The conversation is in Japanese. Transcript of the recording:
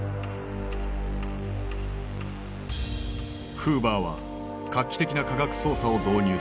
フーバーは画期的な科学捜査を導入する。